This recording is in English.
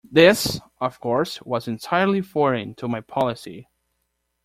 This, of course, was entirely foreign to my policy.